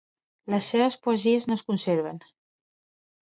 Les seves poesies no es conserven.